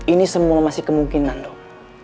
ini semua masih kemungkinan dok